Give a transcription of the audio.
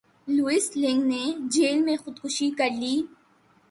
Louis لنگ نے jail میں خود کشی کر لی